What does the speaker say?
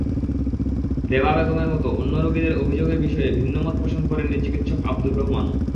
দেবা বেগমের মতো অন্য রোগীদের অভিযোগের বিষয়ে ভিন্নমত পোষণ করেননি চিকিৎসক আবদুর রহমানও।